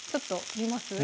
見ます？